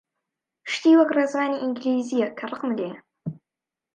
شتی وەک ڕێزمانی ئینگلیزییە کە ڕقم لێیە!